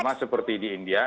sama seperti di india